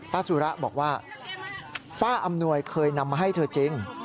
สุระบอกว่าป้าอำนวยเคยนำมาให้เธอจริง